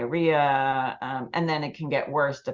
sebenarnya anak anak tersebut